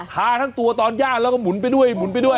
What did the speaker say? ทั้งตัวตอนย่างแล้วก็หมุนไปด้วยหมุนไปด้วย